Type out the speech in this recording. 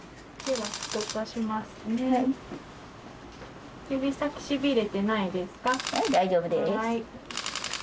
はい、大丈夫です。